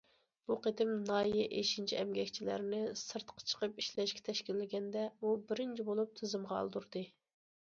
بۇ قېتىم ناھىيە ئېشىنچا ئەمگەكچىلەرنى سىرتقا چىقىپ ئىشلەشكە تەشكىللىگەندە، ئۇ بىرىنچى بولۇپ تىزىمغا ئالدۇردى.